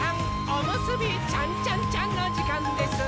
おむすびちゃんちゃんちゃんのじかんです！